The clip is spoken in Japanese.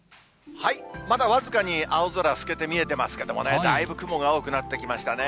まだ僅かに青空透けて見えてますけどもね、だいぶ雲が多くなってきましたね。